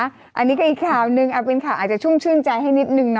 อันนี้ก็อีกข่าวหนึ่งเป็นข่าวอาจจะชุ่มชื่นใจให้นิดนึงนะ